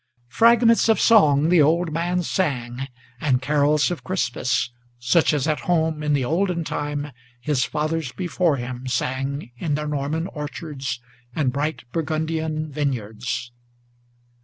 Fragments of song the old man sang, and carols of Christmas, Such as at home, in the olden time, his fathers before him Sang in their Norman orchards and bright Burgundian vineyards.